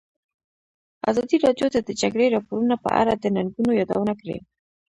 ازادي راډیو د د جګړې راپورونه په اړه د ننګونو یادونه کړې.